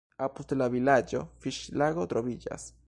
Apud la vilaĝo fiŝlago troviĝas.